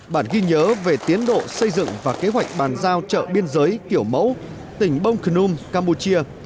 bản ghi nhớ về tiến độ xây dựng và kế hoạch bàn giao chợ biên giới kiểu mẫu tỉnh bông khừum campuchia